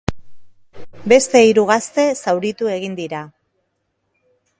Beste hiru gazte zauritu egin dira.